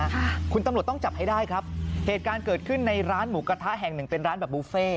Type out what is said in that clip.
ค่ะคุณตำรวจต้องจับให้ได้ครับเหตุการณ์เกิดขึ้นในร้านหมูกระทะแห่งหนึ่งเป็นร้านแบบบุฟเฟ่